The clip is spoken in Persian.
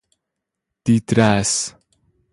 دیدرس